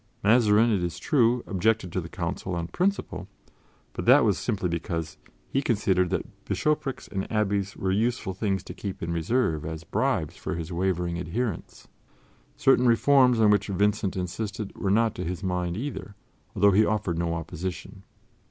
Mazarin, it is true, objected to the Council on principle, but that was simply because he considered that bishoprics and abbeys were useful things to keep in reserve as bribes for his wavering adherents. Certain reforms on which Vincent insisted were not to his mind either, although he offered no opposition.